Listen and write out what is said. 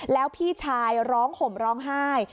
แล้วพี่ชายร้องห่มร้องไห้